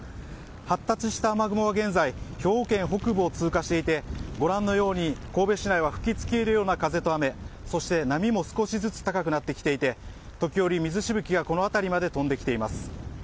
発達した雨雲は現在兵庫県北部を通過していてご覧のように神戸市内は吹き付けるような風と雨そして波も少しずつ高くなってきていて時折、水しぶきがこの辺りまで飛んできています。